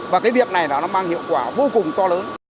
và cái việc này là nó mang hiệu quả vô cùng to lớn